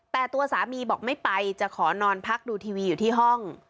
แต่ตัวสามีบอกไม่ไปจะขอนอนพักดูทีวีอยู่ที่ห้อง